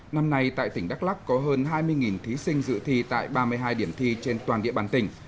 năm nay tại tỉnh đắk lắc có hơn hai mươi thí sinh dự thi tại ba mươi hai điểm thi trên toàn địa bàn tỉnh